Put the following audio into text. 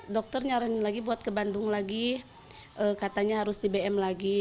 dokter nyaranin lagi buat ke bandung lagi katanya harus di bm lagi